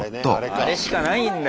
あれしかないんだ